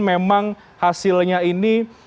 memang hasilnya ini